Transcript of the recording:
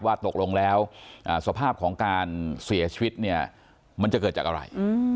ว่าตกลงแล้วสภาพของการเสียชีวิตเนี่ยมันจะเกิดจากอะไร